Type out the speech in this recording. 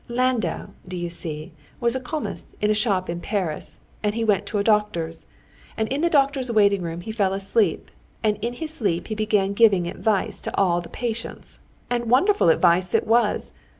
Landau, do you see, was a commis in a shop in Paris, and he went to a doctor's; and in the doctor's waiting room he fell asleep, and in his sleep he began giving advice to all the patients. And wonderful advice it was!